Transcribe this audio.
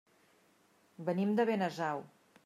Venim de Benasau.